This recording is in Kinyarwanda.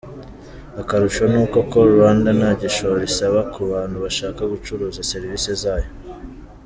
Akarusho ni uko Call Rwanda nta gishoro isaba kubantu bashaka gucuruza serivisi zayo.